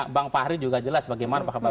bang fahri juga jelas bagaimana